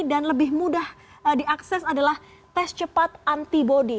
dan lebih mudah diakses adalah tes cepat antibody